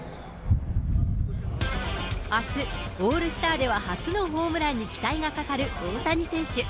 あす、オールスターでは初のホームランに期待のかかる大谷選手。